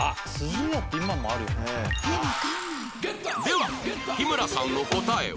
では日村さんの答えは？